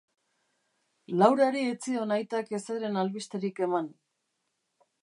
Laurari ez zion aitak ezeren albisterik eman.